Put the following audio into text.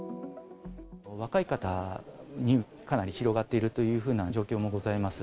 若い方にかなり広がっているというふうな状況もございます。